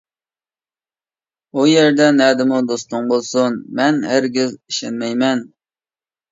ئۇ يەردە نەدىمۇ دوستۇڭ بولسۇن، مەن ھەرگىز ئىشەنمەيمەن.